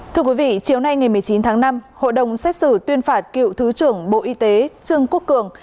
thưa quý vị chiều nay ngày một mươi chín tháng năm hội đồng xét xử tuyên phạt cựu thứ trưởng bộ y tế trương quốc cường